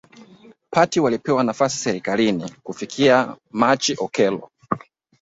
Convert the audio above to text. party walipewa nafasi serikalini Kufikia Machi Okello